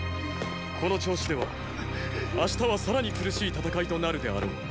この調子では明日はさらに苦しい戦いとなるであろう。